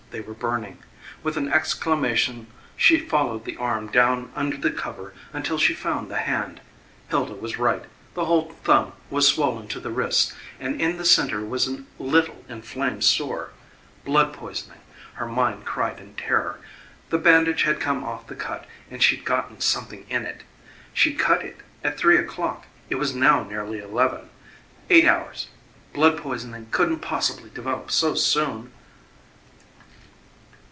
They were burning. With an exclamation she followed the arm down under the cover until she found the hand. Hilda was right. The whole thumb was swollen to the wrist and in the centre was a little inflamed sore. Blood poisoning! her mind cried in terror. The bandage had come off the cut and she'd gotten something in it. She'd cut it at three o'clock it was now nearly eleven. Eight hours. Blood poisoning couldn't possibly develop so soon.